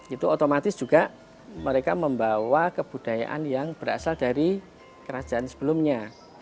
itu otomatis juga mereka membawa kebudayaan yang berasal dari kerajaan sebelumnya